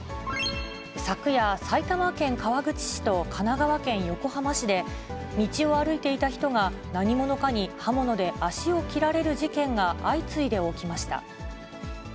昨夜、埼玉県川口市と神奈川県横浜市で、道を歩いていた人が何者かに刃物で足を切られる事件が相次いで起きました。